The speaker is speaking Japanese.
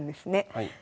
はい。